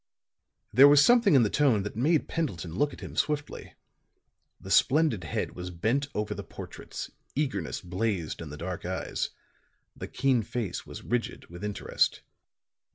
There was something in the tone that made Pendleton look at him swiftly. The splendid head was bent over the portraits; eagerness blazed in the dark eyes; the keen face was rigid with interest.